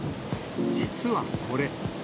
実はこれ。